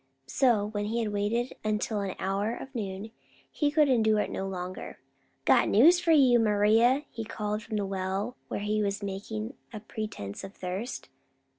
So, when he had waited until an hour of noon, he could endure it no longer. "Got news for you, Maria," he called from the well, where he was making a pretense of thirst.